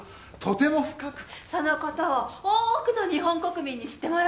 その事を多くの日本国民に知ってもらおうと。